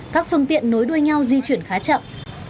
các phương tiện nối đuôi nhau di chuyển khá chậm